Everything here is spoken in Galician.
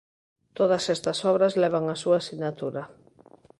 Todas estas obras levan a súa sinatura.